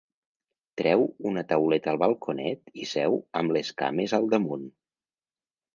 Treu una tauleta al balconet i seu amb les cames al damunt.